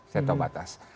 saya tahu batas